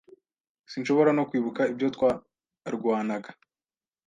Sinshobora no kwibuka ibyo twarwanaga.